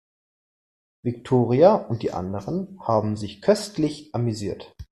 Viktoria und die anderen haben sich köstlich amüsiert.